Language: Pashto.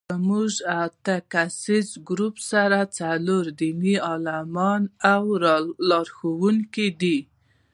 زموږ اتیا کسیز ګروپ سره څلور دیني عالمان او لارښوونکي دي.